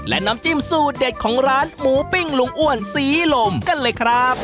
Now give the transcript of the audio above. และน้ำจิ้มสูตรเด็ดของร้านหมูปิ้งลุงอ้วนศรีลมกันเลยครับ